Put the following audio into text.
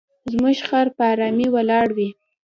زموږ خر په آرامۍ ولاړ وي.